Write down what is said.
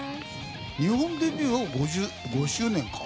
日本デビューは５周年か。